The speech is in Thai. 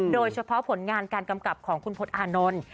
โดยเฉพาะผลงานการกำกับของคุณพลตอานนท์